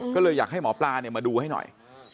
ก็เลยอยากให้หมอปลามาดูให้หน่อย